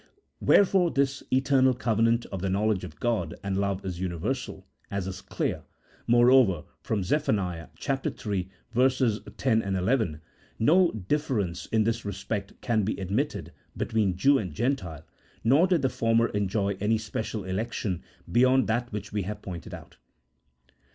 Wherefore this eternal covenant of the knowledge of God and love is universal, as is clear, moreover, from Zeph. iii. 10, 11 : no difference in this re spect can be admitted between Jew and Gentile, nor did the former enjoy any special election beyond that which we have pointed out.